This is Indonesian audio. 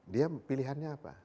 dia pilihannya apa